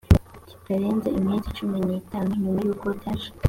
kitarenze iminsi cumi n itanu nyuma y uko byaje